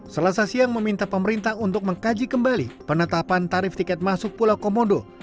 selasa siang meminta pemerintah untuk mengkaji kembali penetapan tarif tiket masuk pulau komodo